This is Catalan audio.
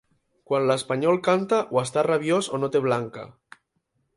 Quan l'espanyol canta o està rabiós o no té blanca.